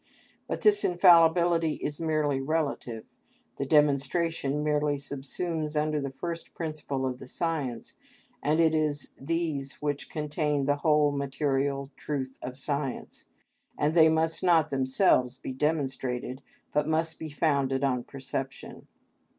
But this infallibility is merely relative; the demonstration merely subsumes under the first principles of the science, and it is these which contain the whole material truth of science, and they must not themselves be demonstrated, but must be founded on perception.